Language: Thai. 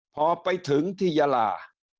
พอไปถึงที่ยาลา